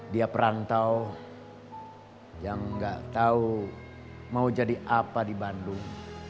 dia perantau yang gak tahu mau jadi apa di bandung